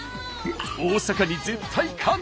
大阪に絶対勝つ！